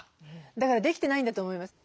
だからできてないんだと思います。